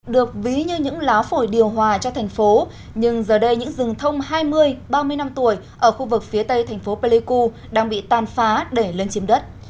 được ví như những lá phổi điều hòa cho thành phố nhưng giờ đây những rừng thông hai mươi ba mươi năm tuổi ở khu vực phía tây thành phố pleiku đang bị tàn phá để lấn chiếm đất